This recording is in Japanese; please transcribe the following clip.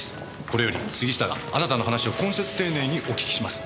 これより杉下があなたの話を懇切丁寧にお訊きします。